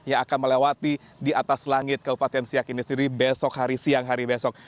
yang akan melewati di atas langit kabupaten siak ini sendiri besok hari siang hari besok